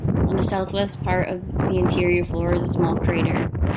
On the southwest part of the interior floor is a small crater.